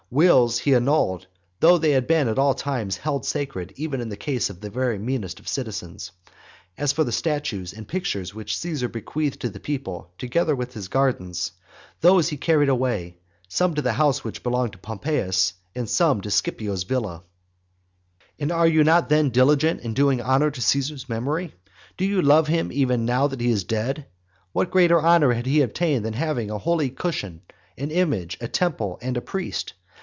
Wills he annulled; though they have been at all times held sacred even in the case of the very meanest of the citizens. As for the statues and pictures which Caesar bequeathed to the people, together with his gardens, those he carried away, some to the house which belonged to Pompeius, and some to Scipio's villa. XLIII. And are you then diligent in doing honour to Caesar's memory? Do you love him even now that he is dead? What greater honour had he obtained than that of having a holy cushion, an image, a temple, and a priest?